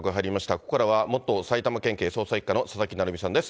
ここからは元埼玉県警捜査１課の佐々木成三さんです。